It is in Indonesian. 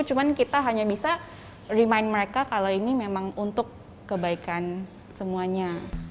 cuma kita hanya bisa remind mereka kalau ini memang untuk kebaikan semuanya